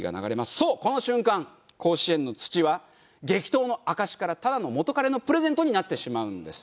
そうこの瞬間甲子園の土は激闘の証しからただの元彼のプレゼントになってしまうんです。